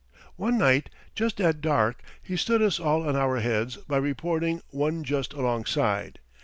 One night just at dark he stood us all on our heads by reporting one just alongside.